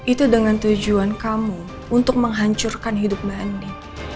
itu dengan tujuan kamu untuk menghancurkan hidup mbak andi